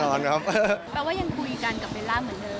แปลว่ายังคุยกันกับเบลล่าเหมือนเดิ